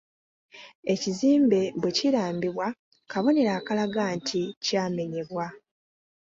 Ekizimbe bwe kirambibwa, kabonero akalaga nti kya kumenyebwa.